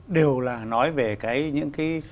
đều là nói về cái những cái